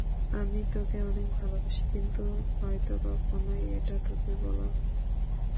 আমি তোকে অনেক ভালোবাসি কিন্তু হয়তো কখনোই এটা তোকে বলা হবে না।